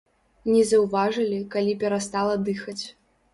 Не заўважылі, калі перастала дыхаць.